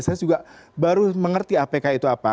saya juga baru mengerti apk itu apa